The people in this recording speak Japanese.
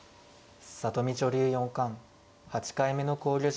里見女流四冠８回目の考慮時間に。